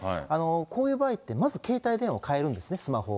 こういう場合ってまず携帯電話を替えるんですね、スマホを。